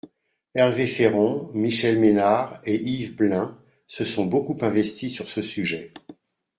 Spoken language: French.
Hervé Féron, Michel Ménard et Yves Blein se sont beaucoup investis sur ce sujet.